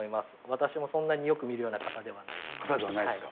私もそんなによく見るような型で型ではないですか。